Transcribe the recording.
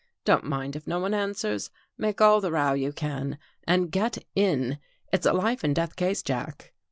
Don't mind if no one answers. Make all the row you can. And get in! It's a life and death case. Jack."